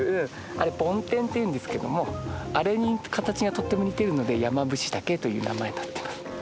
あれ梵天っていうんですけどもあれに形がとっても似てるのでヤマブシタケという名前になってます。